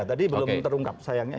tadi belum terungkap sayangnya